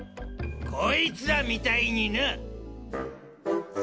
こいつらみたいにな！